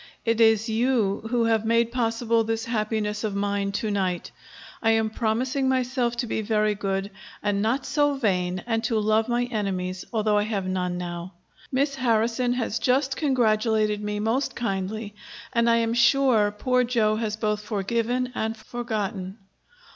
It is you who have made possible this happiness of mine to night. I am promising myself to be very good, and not so vain, and to love my enemies , although I have none now. Miss Harrison has just congratulated me most kindly, and I am sure poor Joe has both forgiven and forgotten.